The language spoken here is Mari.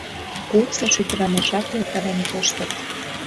Курсыш ӱдырамашат ятырын коштыт.